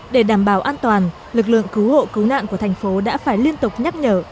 để đảm bảo an toàn lực lượng cứu hộ cứu nạn của thành phố đã phải liên tục nhắc nhở